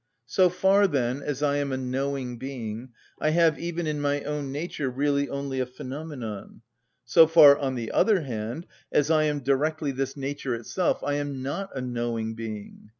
So far, then, as I am a knowing being, I have even in my own nature really only a phenomenon; so far, on the other hand, as I am directly this nature itself, I am not a knowing being.